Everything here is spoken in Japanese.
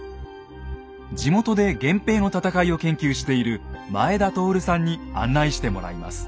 地元で源平の戦いを研究している前田徹さんに案内してもらいます。